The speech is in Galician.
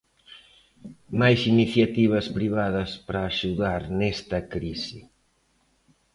Máis iniciativas privadas para axudar neste crise.